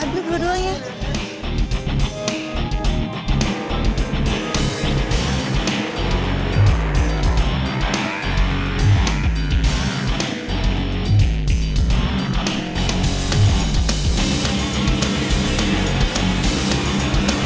puteran terakhir nih